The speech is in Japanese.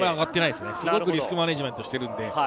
すごくリスクマネジメントしています。